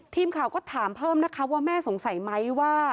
ทีมข่าวก็ถามเพิ่มนะคะว่าแม่สงสัยไหมว่า